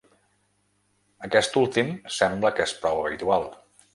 Aquest últim sembla que és prou habitual.